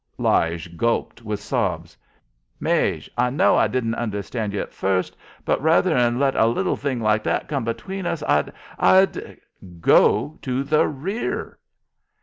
Lige gulped with sobs. "Maje, I know I didn't understand ye at first, but ruther'n let a little thing like that come between us, I'd I'd " "Go to the rear."